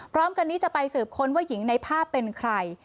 พร้อมกันนี้จะไปสืบค้นว่าหญิงในภาพเป็นใคร